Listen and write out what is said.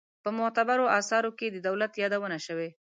په معتبرو آثارو کې د دولت یادونه شوې.